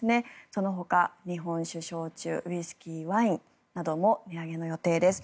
そのほか、日本酒、焼酎ウイスキー、ワインなども値上げの予定です。